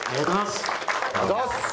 ありがとうございます。